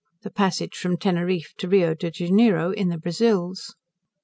The Passage from Teneriffe to Rio de Janeiro, in the Brazils.